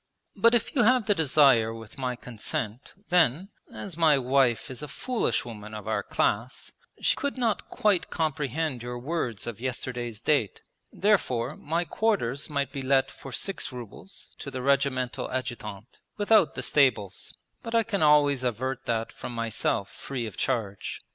'But if you have the desire with my consent, then, as my wife is a foolish woman of our class, she could not quite comprehend your words of yesterday's date. Therefore my quarters might be let for six rubles to the Regimental Adjutant, without the stables; but I can always avert that from myself free of charge.